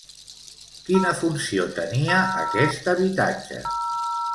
Quina funció tenia aquest habitatge?